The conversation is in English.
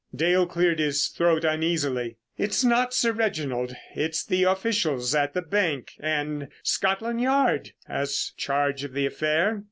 Dale cleared his throat uneasily. "It's not Sir Reginald, it's the officials at the bank and—Scotland Yard has charge of the affair.